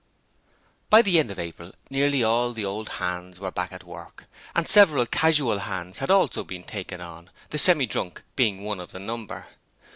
By the end of April nearly all the old hands were back at work, and several casual hands had also been taken on, the Semi drunk being one of the number.